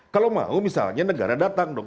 kalau mau misalnya negara datang dong